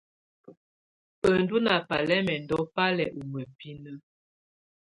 Bǝndù ná balɛmɛndɔ́ bá lɛ́ u mǝ́binǝ.